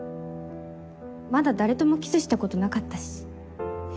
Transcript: まだ誰ともキスしたことなかったし。